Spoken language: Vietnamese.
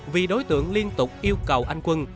vì đối tượng liên tục yêu cầu anh quân